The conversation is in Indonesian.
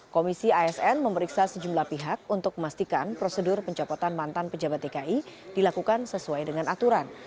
komisi asn memeriksa sejumlah pihak untuk memastikan prosedur pencopotan mantan pejabat dki dilakukan sesuai dengan aturan